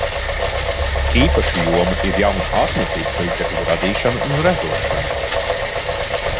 Īpaša joma ir jaunu ārstniecības līdzekļu radīšana un ražošana.